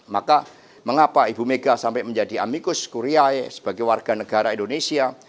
maka mengapa ibu mega sampai menjadi amikus kuria sebagai warga negara indonesia